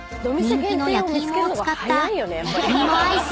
［人気の焼き芋を使った焼き芋アイス］